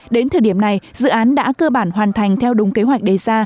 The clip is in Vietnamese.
đến thời điểm này dự án đã cơ bản hoàn thành theo đúng kế hoạch đề ra